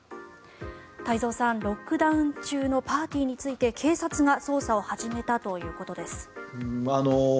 太蔵さん、ロックダウン中のパーティーについて警察が捜査を始めたということです。